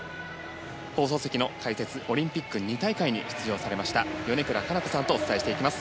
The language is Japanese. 放送席の解説オリンピック２大会に出場された米倉加奈子さんとお伝えしていきます。